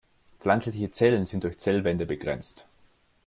Pflanzliche Zellen sind durch Zellwände begrenzt.